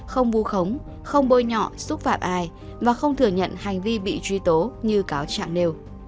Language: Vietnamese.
không vu khống không bôi nhọ xúc phạm ai và không thừa nhận hành vi bị truy tố như cáo trạng nêu